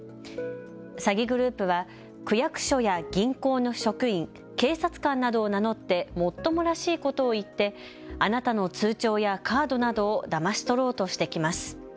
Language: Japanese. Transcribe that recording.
詐欺グループは区役所や銀行の職員、警察官などを名乗ってもっともらしいことを言ってあなたの通帳やカードなどをだまし取ろうとしてきます。